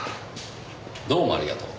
どうもありがとう。